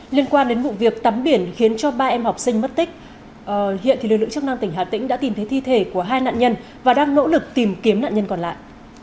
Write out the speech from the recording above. liên quan đến vụ việc tắm biển khiến cho ba em học sinh mất tích hiện lực lượng chức năng tỉnh hà tĩnh đã tìm thấy thi thể của hai nạn nhân và đang nỗ lực tìm kiếm nạn nhân còn lại